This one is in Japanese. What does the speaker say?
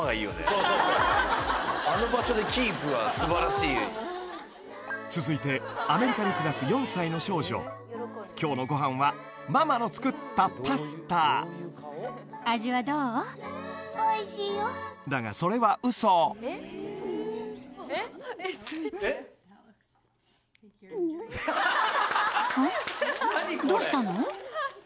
そうそうそうあの場所でキープは素晴らしい続いてアメリカに暮らす４歳の少女今日のご飯はママの作ったパスタだがそれは嘘うん？